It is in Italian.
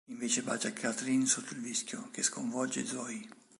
Invece, bacia Kathleen sotto il vischio, che sconvolge Zoey.